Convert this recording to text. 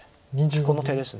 この手です。